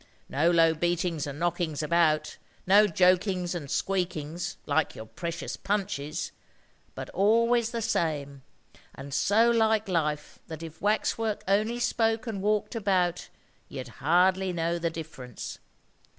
No low beatings and knockings about, no jokings and squeakings, like your precious Punches, but always the same, and so like life that if wax work only spoke and walked about, you'd hardly know the difference.